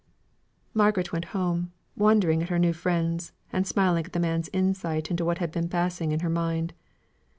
Margaret went home, wondering at her new friends, and smiling at the man's insight into what had been passing in her mind.